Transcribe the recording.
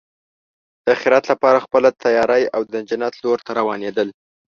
د اخرت لپاره خپله تیاری او د جنت لور ته روانېدل.